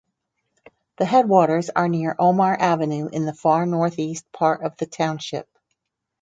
The headwaters are near Omar Avenue in the far northeast part of the township.